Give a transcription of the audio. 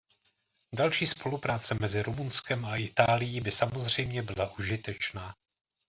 Další spolupráce mezi Rumunskem a Itálií by samozřejmě byla užitečná.